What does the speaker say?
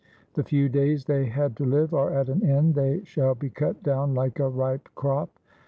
The few days they had to live are at an end ; they shall be cut down like a ripe crop.